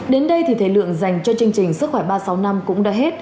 đến đây thì thời lượng dành cho chương trình sức khỏe ba trăm sáu mươi năm cũng đã hết